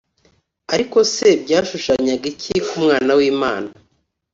. Ariko se byashushanyaga iki k’Umwana w’Imana